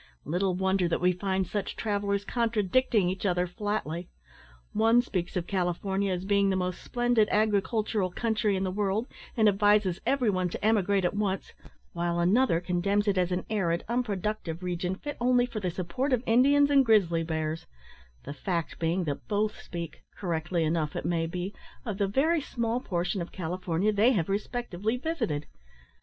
Little wonder that we find such travellers contradicting each other flatly. One speaks of `California' as being the most splendid agricultural country in the world, and advises every one to emigrate at once; while another condemns it as an arid, unproductive region, fit only for the support of Indians and grizzly bears; the fact being, that both speak, (correctly enough, it may be), of the very small portion of California they have respectively visited.